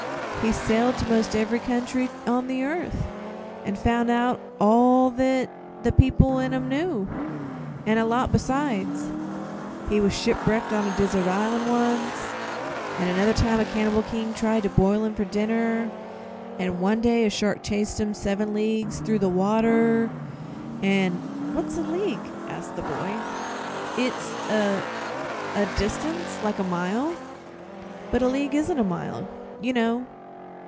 "He's sailed to 'most ev'ry country on the earth, an' found out all that the people in 'em knew, and a lot besides. He was shipwrecked on a desert island, once, and another time a cannibal king tried to boil him for dinner, an' one day a shark chased him seven leagues through the water, an' " "What's a league?" asked the boy. "It's a a distance, like a mile is; but a league isn't a mile, you know."